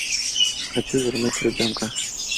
Хочу вернуть ребенка.